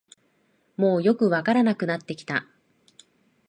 もうよくわからなくなってきた